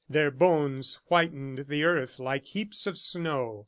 Their bones whitened the earth like heaps of snow.